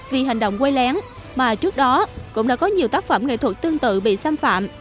vì hành động quay lén mà trước đó cũng đã có nhiều tác phẩm nghệ thuật tương tự bị xâm phạm